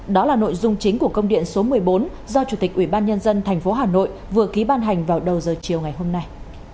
đó là nội dung chính của công điện số một mươi bốn do chủ tịch ủy ban nhân dân tp hà nội vừa ký ban hành vào đầu giờ chiều ngày hôm nay